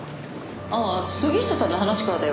ああ杉下さんの話からだよ。